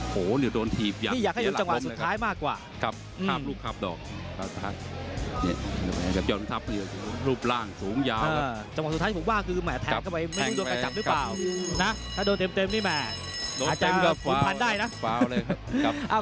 โหเนี่ยโดนทีบยังนี่อยากให้ยนต์จังหวะสุดท้ายมากกว่า